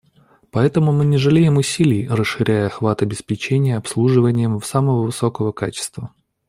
По этому мы не жалеем усилий, расширяя охват обеспечения обслуживанием самого высокого качества.